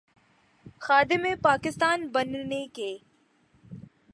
خادم پاکستان بننے کے۔